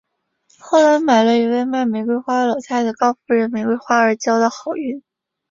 后来买了一位卖玫瑰花的老太太高夫人的玫瑰花而交到好运。